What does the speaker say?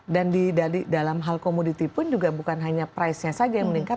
dan di dalam hal komoditi pun juga bukan hanya price nya saja yang meningkat